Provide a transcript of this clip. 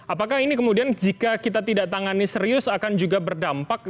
apakah ini kemudian jika kita tidak tangani serius akan juga berdampak